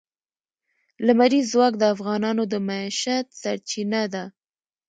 لمریز ځواک د افغانانو د معیشت سرچینه ده.